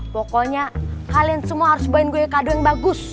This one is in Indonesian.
pokoknya kalian semua harus buahin gue kado yang bagus